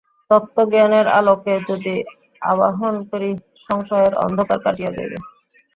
তত্ত্বজ্ঞানের আলোকে যদি আবাহন করি, সংশয়ের অন্ধকার কাটিয়া যাইবে।